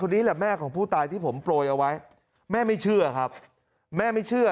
นี่แหละแม่ของผู้ตายที่ผมโปรยเอาไว้แม่ไม่เชื่อครับแม่ไม่เชื่อ